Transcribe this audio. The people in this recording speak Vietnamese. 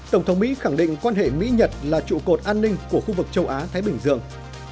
tổng thống mỹ khẳng định quan hệ mỹ nhật là trụ cột an ninh của khu vực châu á thái bình dương